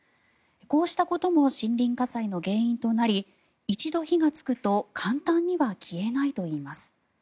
こうしたことも森林火災の原因となり一度火がつくと簡単には消えないといいます。